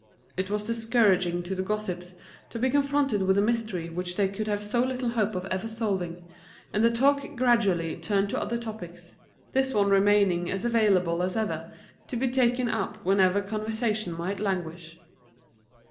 It was discouraging to the gossips to be confronted with a mystery which they could have so little hope of ever solving, and the talk gradually turned to other topics, this one remaining as available as ever to be taken up whenever conversation might languish.